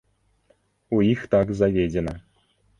У іх так заведзена.